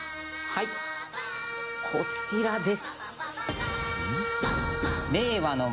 はいこちらです。